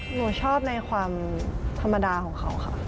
หนูชอบในความธรรมดาของเขาค่ะ